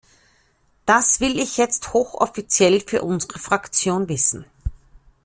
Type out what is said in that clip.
Das will ich jetzt hochoffiziell für unsere Fraktion wissen!